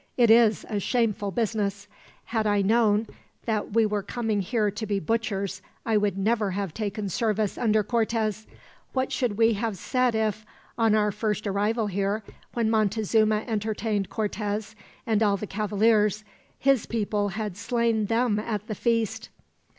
"It is a shameful business. Had I known that we were coming here to be butchers, I would never have taken service under Cortez. What should we have said if, on our first arrival here, when Montezuma entertained Cortez and all the cavaliers, his people had slain them at the feast?"